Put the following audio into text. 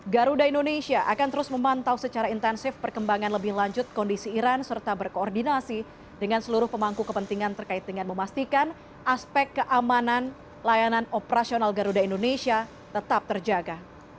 garuda indonesia akan terus memantau secara intensif perkembangan lebih lanjut kondisi iran serta berkoordinasi dengan seluruh pemangku kepentingan terkait dengan memastikan aspek keamanan layanan operasional garuda indonesia tetap terjaga